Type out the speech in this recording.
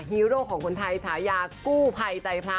ฮีโร่ของคนไทยฉายากู้ภัยใจพระ